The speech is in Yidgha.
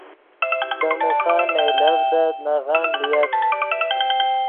دے موخن نئیلڤدت نغن لییت